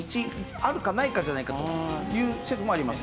あるかないかじゃないかという説もあります。